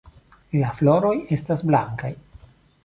La floroj estas blankaj.